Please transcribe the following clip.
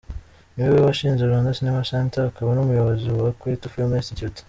Ni we we washinze Rwanda Cinema Centre akaba n’Umuyobozi wa Kwetu Film Institute.